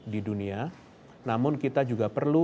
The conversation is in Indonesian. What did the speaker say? di dunia namun kita juga perlu